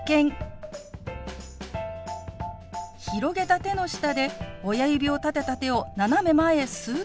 広げた手の下で親指を立てた手を斜め前へすっと動かします。